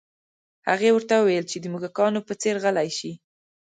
هغې ورته وویل چې د موږکانو په څیر غلي شي